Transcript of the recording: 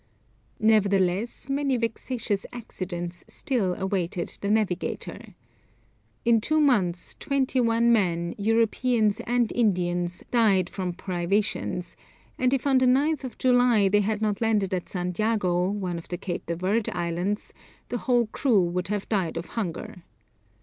Nevertheless, many vexatious accidents still awaited the navigator. In two months, twenty one men, Europeans and Indians, died from privations, and if on the 9th July they had not landed at Santiago, one of the Cape de Verd Islands, the whole crew would have died of hunger.